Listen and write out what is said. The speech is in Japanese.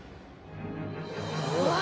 うわ！